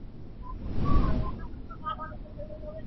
Mr Devlin খুব বিরক্ত করছে নাকি?